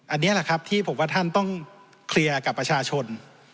อันนี้แหละครับที่ผมว่าท่านต้องเคลียร์กับประชาชน